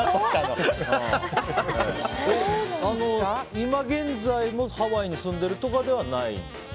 今現在もハワイに住んでるとかではないんですか？